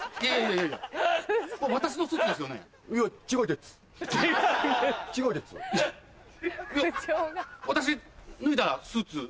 いや私脱いだスーツ。